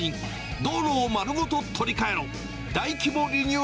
道路を丸ごと取り替えろ。